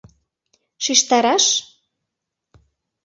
— Шижтараш?